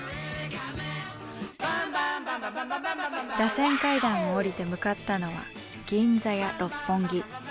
螺旋階段を下りて向かったのは銀座や六本木。